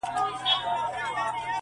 يو ځل ځان لره بوډۍ كړوپه پر ملا سه!.